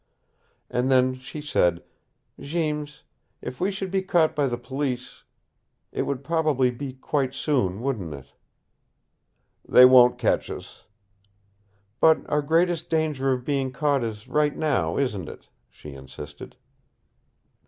And then she said, "Jeems, if we should be caught by the Police it would probably be quite soon, wouldn't it?" "They won't catch us." "But our greatest danger of being caught is right now, isn't it?" she insisted.